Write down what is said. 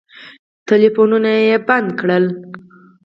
ټلفونونه یې خاموش کړل.